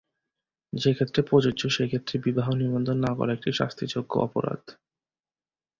যে ক্ষেত্রে প্রযোজ্য, সে ক্ষেত্রে বিবাহ নিবন্ধন না-করা একটি শাস্তিযোগ্য অপরাধ।